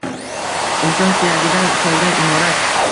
Inson suyagidan solgan imorat…